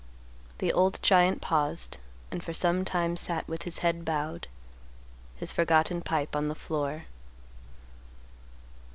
The old giant paused and for some time sat with his head bowed, his forgotten pipe on the floor.